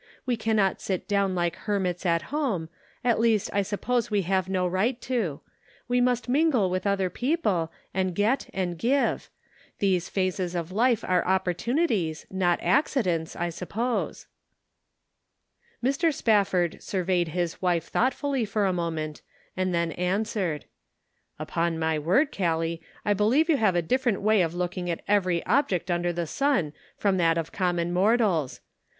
We can not sit down like hermits at home ; at least I suppose we have no right to ; we must mingle with other people, and get and give ; these phases of life are opportunities, not accidents, I suppose." 102 The Pocket Measure. Mr. Spafford surveyed his wife thoughtfully for a moment, and then answered :" Upon my word, Gallic, I believe you have a different way of looking at every object under the sun from that of common mortals.